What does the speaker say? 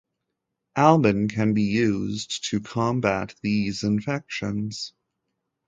Albon can be used to combat these infections.